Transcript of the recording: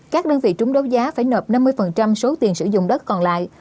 các đơn vị trúng đấu giá phải nợ năm mươi số tiền sử dụng đất còn lại